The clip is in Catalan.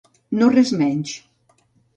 No res menys.